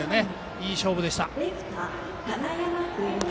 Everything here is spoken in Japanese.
いい勝負でした。